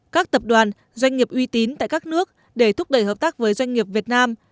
các tập đoàn doanh nghiệp uy tín tại các nước để thúc đẩy hợp tác với doanh nghiệp việt nam